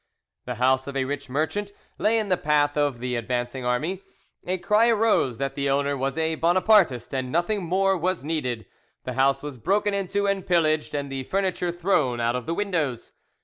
The house of a rich merchant lay in the path of the advancing army. A cry arose that the owner was a Bonapartist, and nothing more was needed. The house was broken into and pillaged, and the furniture thrown out of the windows.